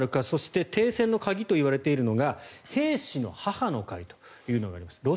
そして停戦の鍵といわれているのが兵士の母の会というのがあります。